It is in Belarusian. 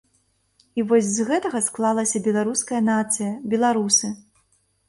І вось з гэтага склалася беларуская нацыя, беларусы.